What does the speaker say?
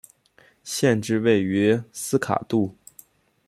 县治位于斯卡杜。